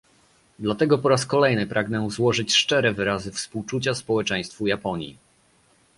Dlatego po raz kolejny pragnę złożyć szczere wyrazy współczucia społeczeństwu Japonii